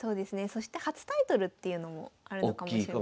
そして初タイトルっていうのもあるのかもしれないですね。